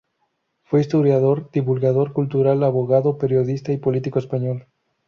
Fue historiador, divulgador cultural, abogado, periodista y político español.